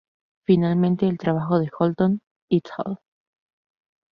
Finalmente el trabajo de Holton "et al.